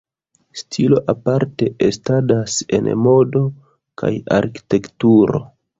Stilo aparte estadas en modo kaj arkitekturo.